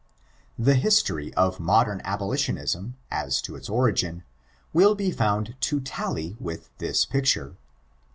The history of modem abolitionism, as to its origin, will be found to tally with this picture.